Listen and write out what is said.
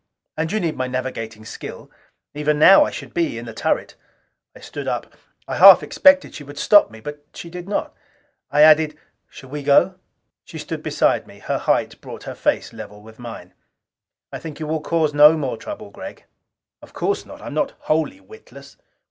"And you need my navigating skill. Even now I should be in the turret." I stood up. I half expected she would stop me, but she did not. I added, "Shall we go?" She stood beside me. Her height brought her face level with mine. "I think you will cause no more trouble, Gregg?" "Of course not. I am not wholly witless."